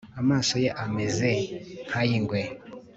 Amaso ye ameze nkayingwe